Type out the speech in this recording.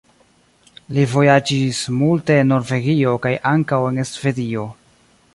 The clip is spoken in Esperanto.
Li vojaĝis multe en Norvegio kaj ankaŭ en Svedio.